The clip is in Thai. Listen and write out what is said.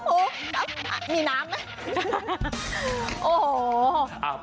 โอ้โหมีน้ำมั้ย